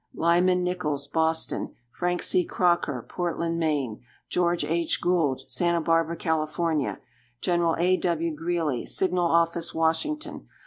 Lyman Nichols, Boston. Frank C. Crocker, Portland, Me. George H. Gould, Santa Barbara, Cal. Gen. A. W. Greely, Signal Office, Washington.